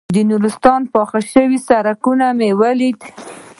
د نورستان په پوخ شوي سړک مې وليدل.